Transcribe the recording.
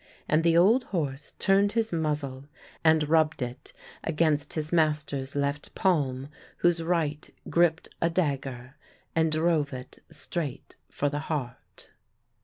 And the old horse turned his muzzle and rubbed it against his master's left palm, whose right gripped a dagger and drove it straight for the heart.